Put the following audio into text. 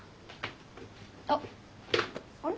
あっあれ？